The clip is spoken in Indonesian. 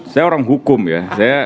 saya orang hukum ya